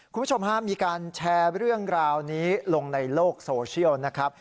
คุณผู้ชมฮะมีการแชร์เรื่องราวนี้ลงในโลกโซเชียลนะครับ